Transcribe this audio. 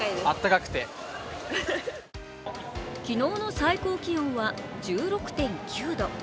昨日の最高気温は１６．９度。